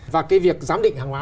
và cái việc giám định hàng hóa